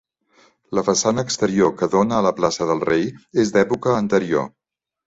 La façana exterior que dóna a la plaça del Rei és d'època anterior.